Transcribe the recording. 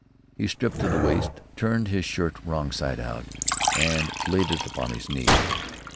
He stripped to the waist, turned his shirt wrong side out, and laid it upon his knee.